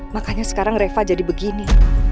makanya sekarang reva jadi begini